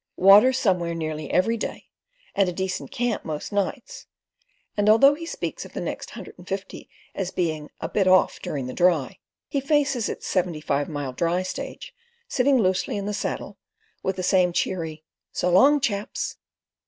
"Water somewhere nearly every day, and a decent camp most nights." And although he speaks of the next hundred and fifty as being a "bit off during the Dry," he faces its seventy five mile dry stage, sitting loosely in the saddle, with the same cheery "So long, chaps."